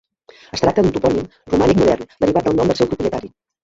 Es tracta d'un topònim romànic modern, derivat del nom del seu propietari.